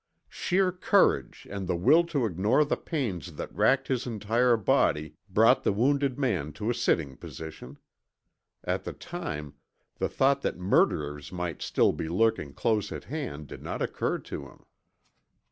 Sheer courage, and the will to ignore the pains that racked his entire body, brought the wounded man to a sitting position. At the time, the thought that murderers might still be lurking close at hand did not occur to him.